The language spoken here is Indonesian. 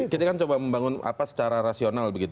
kita kan coba membangun secara rasional